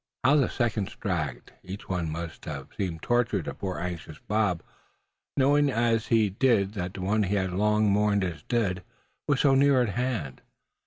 How the seconds dragged. Each one must have seemed torture to poor anxious Bob, knowing as he did that the one he had long mourned as dead was so near at hand.